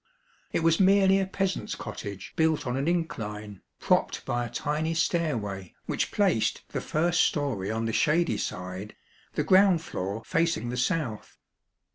It was merely a peasant's cottage built on an incline, propped by a tiny stairway, which placed the first story on the shady side, the ground floor facing the south.